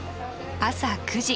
朝９時。